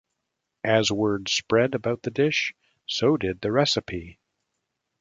As word spread about the dish, so did the recipe.